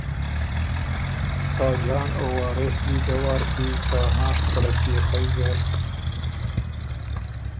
ساجان او وارث دی دۀ وار کی ته هاںشت پَړَپئے خئ نر